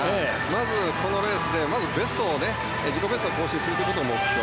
まずこのレースで自己ベストを更新することが目標。